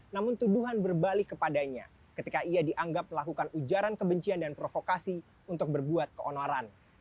namun tuduhan berbalik kepadanya ketika ia dianggap melakukan ujaran kebencian dan provokasi untuk berbuat keonaran